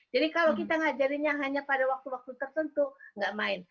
jadi kalau kita ngajarinnya hanya pada waktu waktu tertentu enggak main